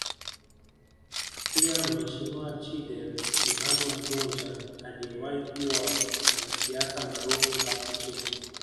Pia Mheshimiwa Chediel Yohane Mgonja aliyewahi kuwa mwanasiasa maarufu hapa nchini